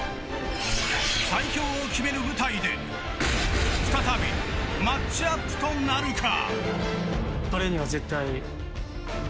最強を決める舞台で再びマッチアップとなるか。